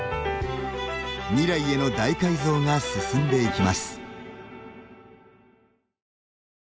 未来への大改造が進んでいきます。